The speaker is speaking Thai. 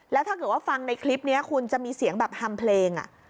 แล้วถ้าเกิดว่าฟังในคลิปนี้คุณจะมีเสียงแบบฮัมเพลง